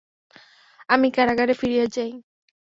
আমি কারাগারে ফিরিয়া যাই।